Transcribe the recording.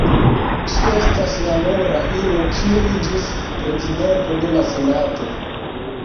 Ŝi estas la nura ino kiu iĝis Prezidento de la Senato.